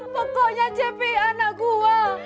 pokoknya cepi anak gua